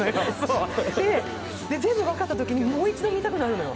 全部分かったときにもう一度見たくなるのよ。